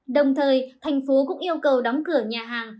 đồng thời thành phố cũng yêu cầu đóng cửa nhà hàng